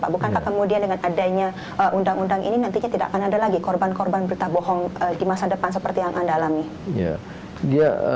bukankah kemudian dengan adanya undang undang ini nantinya tidak akan ada lagi korban korban berita bohong di masa depan seperti yang anda alami